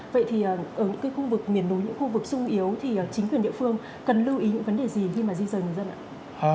vậy thì ở những khu vực miền núi những khu vực sung yếu thì chính quyền địa phương cần lưu ý những vấn đề gì khi mà di dời người dân ạ